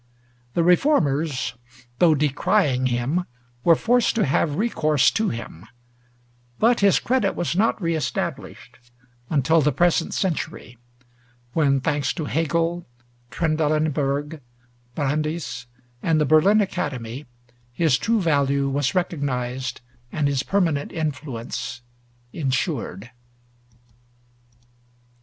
The Reformers, though decrying him, were forced to have recourse to him; but his credit was not re established until the present century, when, thanks to Hegel, Trendelenburg, Brandis, and the Berlin Academy, his true value was recognized and his permanent influence insured.